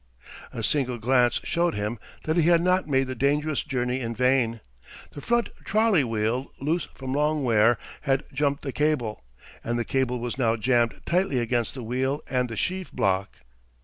A single glance showed him that he had not made the dangerous journey in vain. The front trolley wheel, loose from long wear, had jumped the cable, and the cable was now jammed tightly between the wheel and the sheave block.